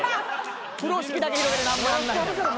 風呂敷だけ広げて何もやんないんだもん。